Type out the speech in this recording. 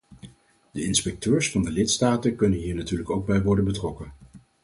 De inspecteurs van de lidstaten kunnen hier natuurlijk ook bij worden betrokken.